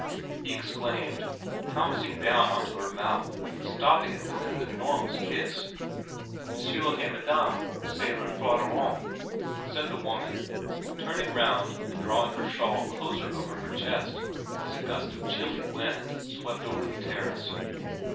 ' he exclaimed, pouncing down on to her mouth and stopping it with an enormous kiss. 4 Monsieur et Madame se refroidiront,' said the woman, turning round and drawing her shawl closer over her chest as a gust of chilly wind swept over the terrace.